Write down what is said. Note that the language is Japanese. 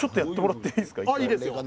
あいいですよ。